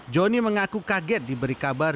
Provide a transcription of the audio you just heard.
joni mengaku kaget diberi kabar